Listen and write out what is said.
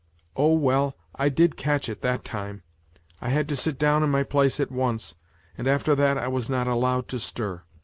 Oh, well, I did catch it that time. I had to sit down in my place at once, and after that I was not allowed to stir.